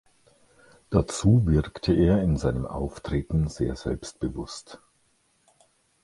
Dazu wirkte er in seinem Auftreten sehr selbstbewusst.